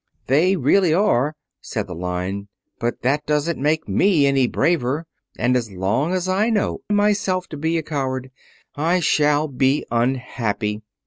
"They really are," said the Lion, "but that doesn't make me any braver, and as long as I know myself to be a coward I shall be unhappy."